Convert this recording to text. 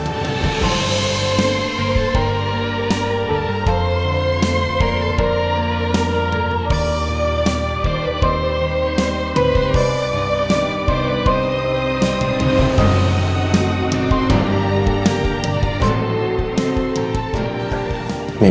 untuk menjaga kehidupanmu